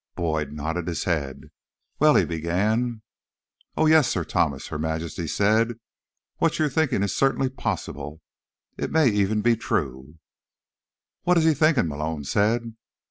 Boyd nodded his head. "Well—" he began. "Oh, yes, Sir Thomas," Her Majesty said. "What you're thinking is certainly possible. It may even be true." "What is he thinking?" Malone said.